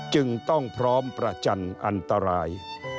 จึงต้องพร้อมประจันอันตราย